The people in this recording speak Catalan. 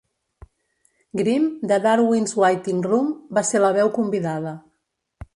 Grimm de Darwin's Waiting Room va ser la veu convidada.